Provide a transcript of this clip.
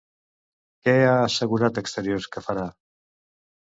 Què ha assegurat Exteriors que farà?